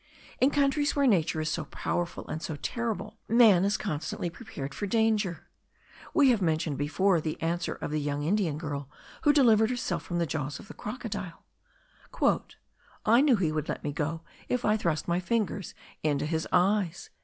In countries where nature is so powerful and so terrible, man is constantly prepared for danger. We have mentioned before the answer of the young Indian girl, who delivered herself from the jaws of the crocodile: "I knew he would let me go if I thrust my fingers into his eyes."